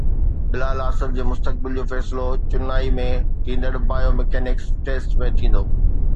بلال آصف جي مستقبل جو فيصلو چنائي ۾ ٿيندڙ بائيو ميڪينڪس ٽيسٽ ۾ ٿيندو